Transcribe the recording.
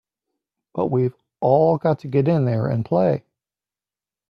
But we've all got to get in there and play!